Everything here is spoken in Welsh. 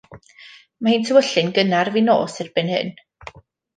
Mae hi'n tywyllu'n gynnar fin nos erbyn hyn.